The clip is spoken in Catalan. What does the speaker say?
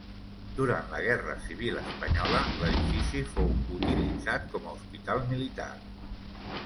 Durant la Guerra Civil espanyola, l'edifici fou utilitzat com a hospital militar.